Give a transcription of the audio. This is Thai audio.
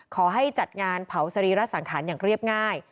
ขอให้จัดงานเผาสรีระสังขารอย่างเรียบง่าย